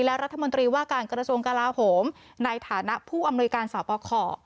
และรัฐมนตรีว่าการกระทรวงกลาโหมในฐานะผู้อำนวยการสอบประคอ